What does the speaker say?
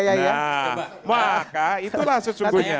nah maka itulah sesungguhnya